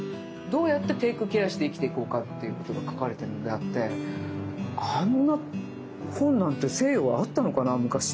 どうやってテイクケアして生きていこうかっていうことが書かれてるのであってあんな本なんて西洋あったのかな昔。